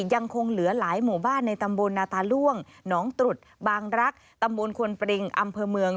ยังคงเหลือหลายหมู่บ้านในตำบลนาตาล่วงหนองตรุษบางรักตำบลควนปริงอำเภอเมือง